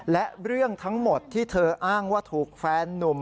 และเรื่องทั้งหมดที่เธออ้างว่าถูกแฟนนุ่ม